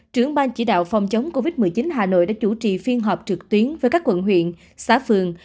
trưởng ban chỉ đạo phòng chống covid một mươi chín hà nội đã chủ trì phiên họp trực tuyến với các quận huyện xã phường